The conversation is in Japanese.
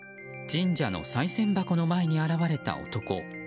神社のさい銭箱の前に現れた男。